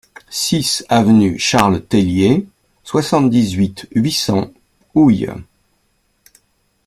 six avenue Charles Tellier, soixante-dix-huit, huit cents, Houilles